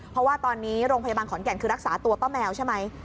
เพราะว่าตอนนี้โรงพยาบาลขอนแก่นคือรักษาตัวป้าแมวใช่ไหม